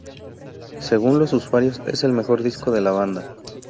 Según los usuarios, es el mejor disco de la banda.